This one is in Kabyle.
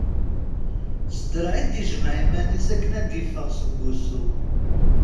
S draɛ i d-yejmeɛ iman-is akken ad d-iffeɣ seg wussu.